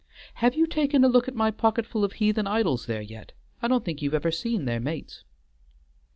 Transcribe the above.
Have you taken a look at my pocketful of heathen idols there yet? I don't think you've ever seen their mates."